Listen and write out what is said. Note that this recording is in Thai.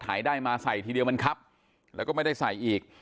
ได้มาใส่ทีเดียวมันครับแล้วก็ไม่ได้ใส่อีก